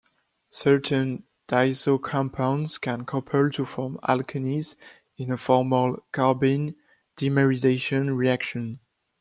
Certain diazo compounds can couple to form alkenes in a formal carbene dimerization reaction.